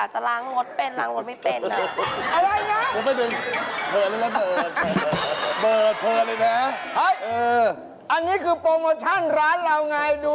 ใช่ค่ะรถทั่วเกียง